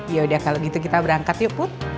yaudah kalau gitu kita berangkat yuk put